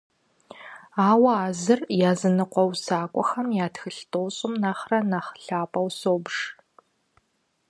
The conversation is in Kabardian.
Ауэ а зыр языныкъуэ усакӀуэхэм я тхылъ тӀощӀым нэхърэ нэхъ лъапӀэу собж.